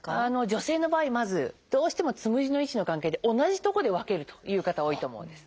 女性の場合まずどうしてもつむじの位置の関係で同じとこで分けるという方多いと思うんです。